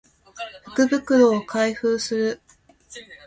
福袋を開封する